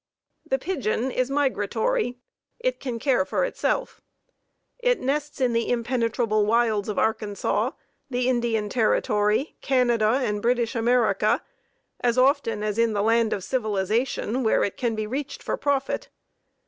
The pigeon is migratory, it can care for itself. It nests in the impenetrable wilds of Arkansas, the Indian Territory, Canada and British America, as often as in the land of civilization where it can be reached for market.